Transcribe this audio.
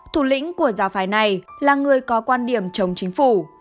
thủ lĩnh của giáo phái này là người có quan điểm chống chính phủ